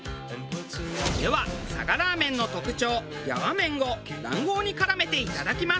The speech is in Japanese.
では佐賀ラーメンの特徴やわ麺を卵黄に絡めていただきます。